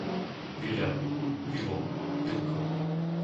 Viliam, Vilo, Vilko